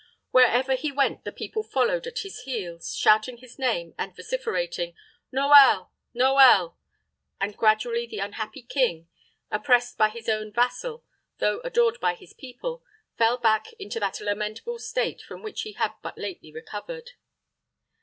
Wherever he went the people followed at his heels, shouting his name, and vociferating, "Noël, noël!" and gradually the unhappy king, oppressed by his own vassal, though adored by his people, fell back into that lamentable state from which he had but lately recovered.